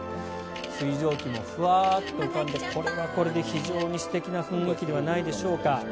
水蒸気もふわっと浮かんでこれはこれで非常に素敵な雰囲気ではないでしょうか。